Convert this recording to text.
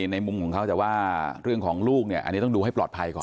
ในมุมของเขาแต่ว่าเรื่องของลูกเนี่ยอันนี้ต้องดูให้ปลอดภัยก่อน